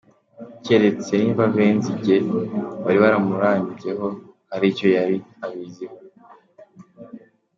Cyeretse niba Benzinge, wari waramurambyeho, hari icyo yari abiziho.